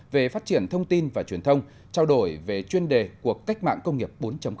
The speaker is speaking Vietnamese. về phát triển thông tin và truyền thông trao đổi về chuyên đề cuộc cách mạng công nghiệp bốn